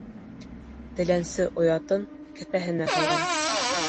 Теләнсе оятын кеҫәһенә һалған.